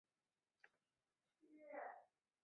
上深沟堡墓群的历史年代为汉代。